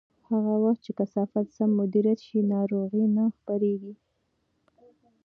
هغه وخت چې کثافات سم مدیریت شي، ناروغۍ نه خپرېږي.